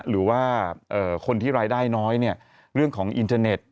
หรือว่าคนที่รายได้น้อยเรื่องของอินเทอร์เน็ต